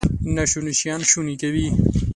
ناشوني شیان شوني کوي.